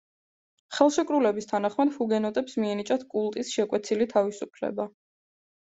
ხელშეკრულების თანახმად ჰუგენოტებს მიენიჭათ კულტის შეკვეცილი თავისუფლება.